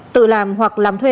tự làm hoặc làm thuê